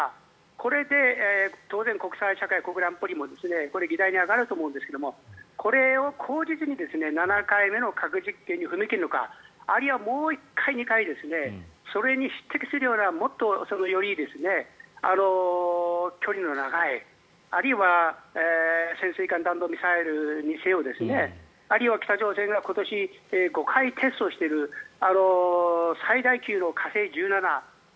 これで当然、国際社会国連安保理も議題に挙がると思うんですがこれを口実に７回目の核実験に踏み切るのかあるいはもう１回、２回それに匹敵するようなもっと、より距離の長いあるいは潜水艦弾道ミサイルにせよあるいは北朝鮮が今年５回テストをしている最大級の火星１７